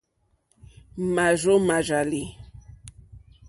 Màrzô màrzàlì.